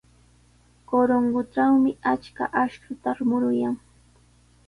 Corongotrawmi achka akshuta muruyan.